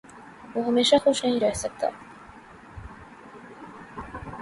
وہ ہمیشہ خوش نہیں رہ سکتا